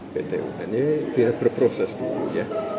btuhannya biar berproses dulu ya